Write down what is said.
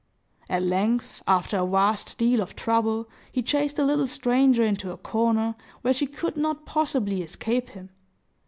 At length, after a vast deal of trouble, he chased the little stranger into a corner, where she could not possibly escape him.